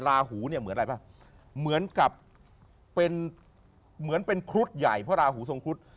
ลาหูเหมือนอะไรป่ะเหมือนเป็นครุฑใหญ่เพราะลาหูทรงครุฑ